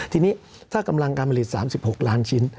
ทีนี้ถ้ากำลังการผลิต๓๖ล้านชิ้น